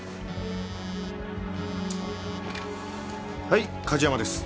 はい梶山です。